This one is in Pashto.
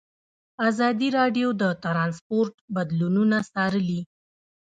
ازادي راډیو د ترانسپورټ بدلونونه څارلي.